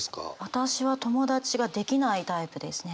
私は友達ができないタイプですね。